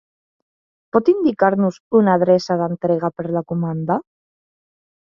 Pot indicar-nos una adreça d'entrega per la comanda?